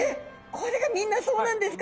これがみんなそうなんですか？